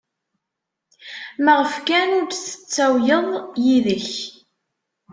Maɣef kan ur t-tettawyeḍ yid-k?